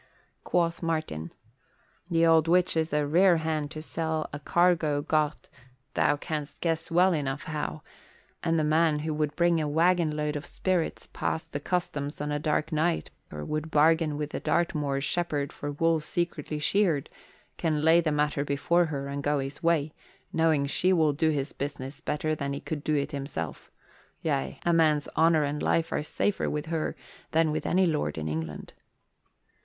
quoth Martin, "The old witch is a rare hand to sell a cargo got thou can'st guess well enough how; and the man who would bring a waggon load of spirits past the customs on a dark night or would bargain with a Dartmoor shepherd for wool secretly sheared, can lay the matter before her and go his way, knowing she will do his business better than he could do it himself. Yea, a man's honour and life are safer with her than with any lord in England."